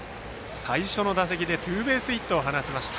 最初の打席でツーベースヒットを放ちました。